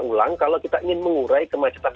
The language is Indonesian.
ulang kalau kita ingin mengurai kemacetan